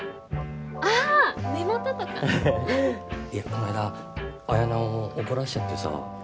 いやこの間あやなを怒らせちゃってさ。